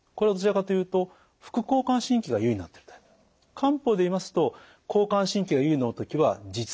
漢方でいいますと交感神経が優位の時は実。